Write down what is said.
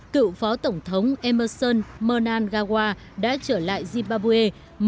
cựu phó tổng thống emerson mernan gawa đã trở lại zimbabwe